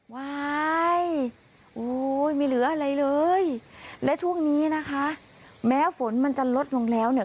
วายโอ้ยไม่เหลืออะไรเลยและช่วงนี้นะคะแม้ฝนมันจะลดลงแล้วเนี่ย